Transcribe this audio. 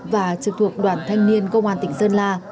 và trực thuộc đoàn thanh niên công an tỉnh sơn la